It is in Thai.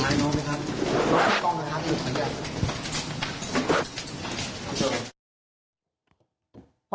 รับกล้องนะครับอยู่ข้างหน้า